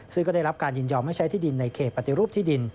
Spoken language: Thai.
ซึ่งก็ได้รับการยินยอมให้ใช้ที่ดินในเขตปฏิรูปที่ดิน